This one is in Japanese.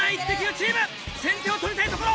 チーム先手を取りたいところ！